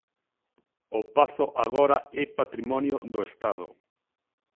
O Pazo agora é patrimonio do Estado.